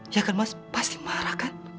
ya kan pasti marah kan